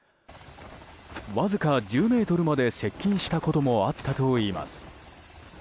わずか１０ｍまで接近したこともあったといいます。